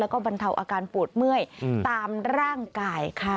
แล้วก็บรรเทาอาการปวดเมื่อยตามร่างกายค่ะ